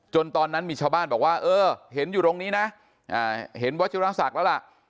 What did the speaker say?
ตอนนั้นมีชาวบ้านบอกว่าเออเห็นอยู่ตรงนี้นะเห็นวัชิราศักดิ์แล้วล่ะ